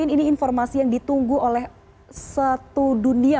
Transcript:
ini informasi yang ditunggu oleh satu dunia